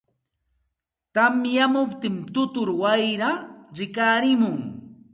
tamyamuptin tutur wayraa rikarimun.